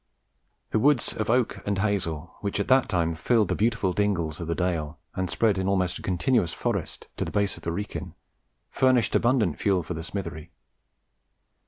The woods of oak and hazel which at that time filled the beautiful dingles of the dale, and spread in almost a continuous forest to the base of the Wrekin, furnished abundant fuel for the smithery.